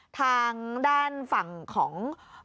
ทางด้านฝั่งของ